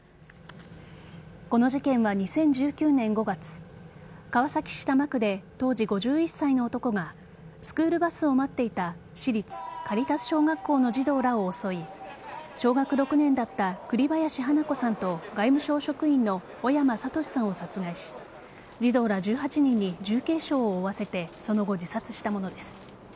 この事件は２０１９年５月川崎市多摩区で当時５１歳の男がスクールバスを待っていた私立カリタス小学校の児童らを襲い小学６年だった栗林華子さんと外務省職員の小山智史さんを殺害し児童ら１８人に重軽傷を負わせてその後、自殺したものです。